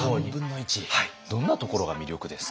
どんなところが魅力ですか？